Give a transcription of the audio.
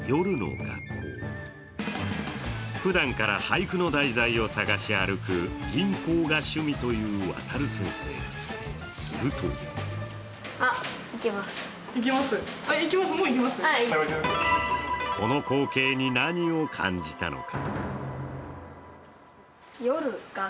ふだんから俳句の題材を探し歩く吟行が趣味という航先生するとこの光景に何を感じたのか？